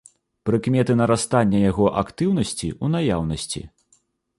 Прыкметы нарастання яго актыўнасці ў наяўнасці.